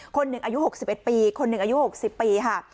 คนหนึ่งอายุหกสิบเอ็ดปีคนหนึ่งอายุหกสิบปีค่ะ